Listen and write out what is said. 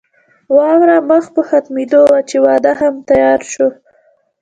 واوره مخ په ختمېدو وه چې واده هم تيار شو.